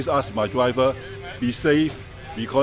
jadi saya selalu meminta pemangku